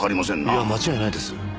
いや間違いないです。